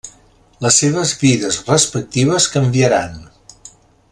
Les seves vides respectives canviaran.